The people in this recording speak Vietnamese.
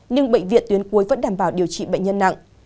nhưng bệnh viện tuyến cuối vẫn đảm bảo điều trị bệnh nhân nặng